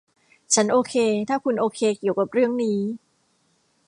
ฉันโอเคถ้าคุณโอเคเกี่ยวกับเรื่องนี้